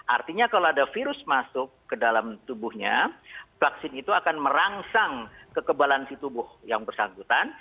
artinya kalau ada virus masuk ke dalam tubuhnya vaksin itu akan merangsang kekebalan si tubuh yang bersangkutan